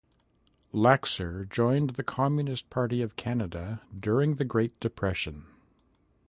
Laxer joined the Communist Party of Canada during the Great Depression.